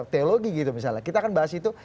teologi gitu misalnya kita akan bahas itu